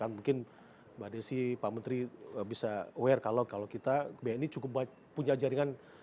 mungkin mbak desi pak menteri bisa aware kalau kita bni cukup banyak punya jaringan